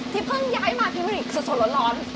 ที่เพิ่งย้ายมาที่เมริกส่วนร้อน